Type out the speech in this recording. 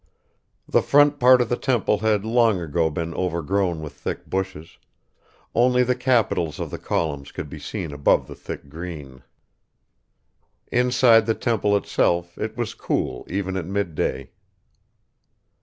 The front part of the temple had long ago been overgrown with thick bushes; only the capitals of the columns could be seen above the thick green. Inside the temple itself it was cool even at midday.